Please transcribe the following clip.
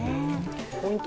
ポイント